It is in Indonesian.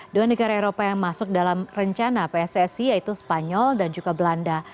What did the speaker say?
dua negara eropa yang masuk dalam rencana pssi yaitu spanyol dan juga belanda